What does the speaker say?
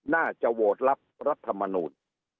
น่าจะโหวตรับรัฐมนูล